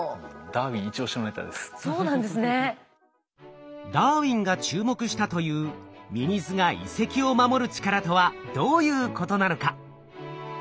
ダーウィンが注目したというミミズが遺跡を守る力とはどういうことなのか？